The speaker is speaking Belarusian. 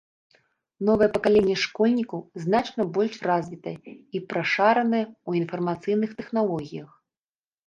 Новае пакаленне школьнікаў значна больш развітае і прашаранае ў інфармацыйных тэхналогіях.